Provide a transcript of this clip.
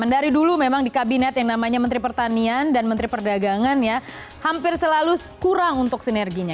dari dulu memang di kabinet yang namanya menteri pertanian dan menteri perdagangan ya hampir selalu kurang untuk sinerginya